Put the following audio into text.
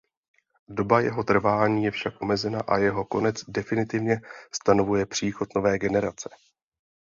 Doba jeho trvání je však omezená a jeho konec definitivně stanovuje příchod nové generace.